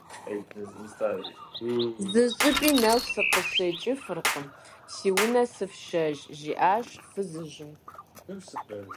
- Зыщӏыпӏи нэху сыкъыщекӏыфыркъым, си унэ сыфшэж, – жиӏащ фызыжьым.